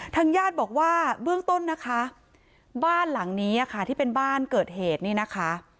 ทางญาติบอกว่าเบื้องต้นนะคะบ้านหลังนี้ค่ะที่เป็นบ้านเกิดเหตุนี่นะคะ